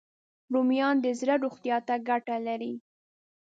رومیان د زړه روغتیا ته ګټه لري